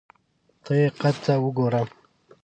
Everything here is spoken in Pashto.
ته یې قد ته وګوره !